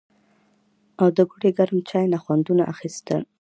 او د ګوړې ګرم چای نه خوندونه اخيستل